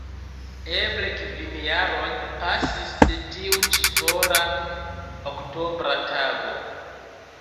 Eble kvin jaroj pasis de tiu ĉi fora oktobra tago.